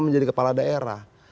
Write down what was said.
menjadi kepala daerah